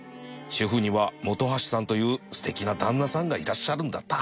シェフには本橋さんというすてきな旦那さんがいらっしゃるんだった